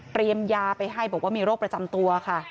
ยาไปให้บอกว่ามีโรคประจำตัวค่ะ